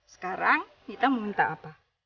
sekarang mita mau minta apa